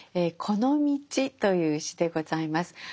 「このみち」という詩でございます。